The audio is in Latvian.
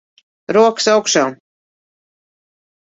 Rokas augšā.